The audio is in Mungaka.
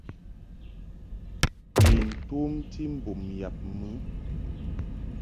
Ni tomti mbum yab mɨ.